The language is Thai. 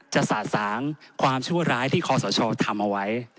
สะสางความชั่วร้ายที่คอสชทำเอาไว้